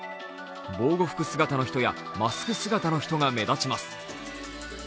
防護服姿の人やマスク姿の人が目立ちます。